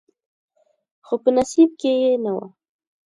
خو په نصیب کې یې نه و.